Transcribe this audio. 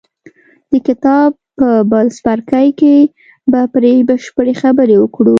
د کتاب په بل څپرکي کې به پرې بشپړې خبرې وکړو.